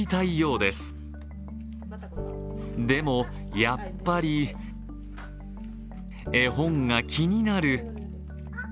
でも、やっぱり絵本が気になる。